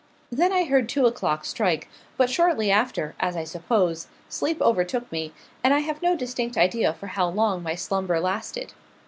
Then I heard two o'clock strike; but shortly after, as I suppose, sleep overtook me, and I have no distinct idea for how long my slumber lasted.